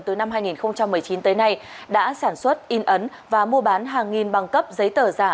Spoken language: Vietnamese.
từ năm hai nghìn một mươi chín tới nay đã sản xuất in ấn và mua bán hàng nghìn bằng cấp giấy tờ giả